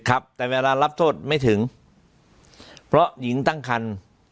ครับแต่เวลารับโทษไม่ถึงเพราะหญิงตั้งคัน